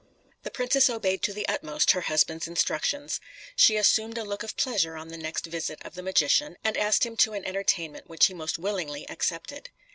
The princess obeyed to the utmost her husband's instructions. She assumed a look of pleasure on the next visit of the magician, and asked him to an entertainment, which he most willingly accepted.